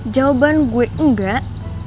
jawaban gue enggak